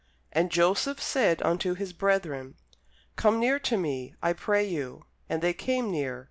And Joseph said unto his brethren, Come near to me, I pray you. And they came near.